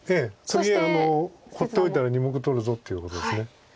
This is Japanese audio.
次放っておいたら２目取るぞっていうことです。